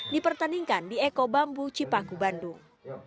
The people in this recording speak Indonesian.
dipertandingkan di eko bambu cipaku bandung